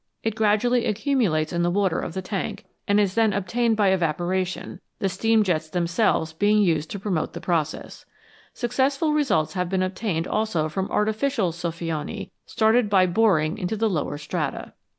It gradually accumulates in the water of the tank, and is then obtained by evaporation, the steam jets themselves being used to promote the process. Successful results have been obtained also from artificial sqffioni, started by boring into the lower strata.